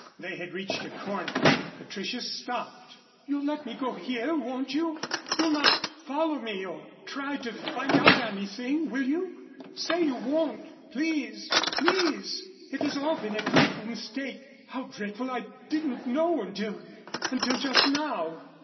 They had reached a corner. Patricia stopped. "You'll let me go here, won't you? You'll not follow me or try to find out anything, will you? Say you won't, please, please! It has all been a dreadful mistake how dreadful I didn't know until until just now.